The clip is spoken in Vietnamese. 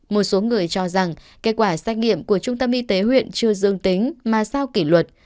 một số người cho rằng kết quả xét nghiệm của trung tâm y tế huyện chưa dương tính mà sao kỷ luật